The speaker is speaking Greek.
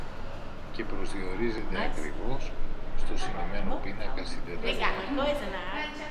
και προσδιορίζεται ακριβώς στο συνημμένο πίνακα συντεταγμένων